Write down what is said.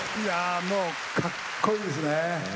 かっこいいですね。